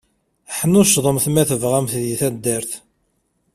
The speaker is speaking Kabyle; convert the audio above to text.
Ḥnuccḍemt ma tabɣamt di taddart.